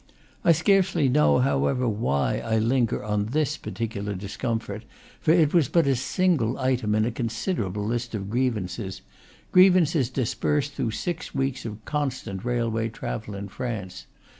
I scarcely know, however, why I linger on this particular discomfort, for it was but a single item in a considerable list of grievances, grievances dispersed through six weeks of constant railway travel in France.